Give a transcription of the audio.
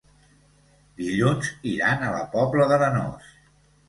Dilluns iran a la Pobla d'Arenós.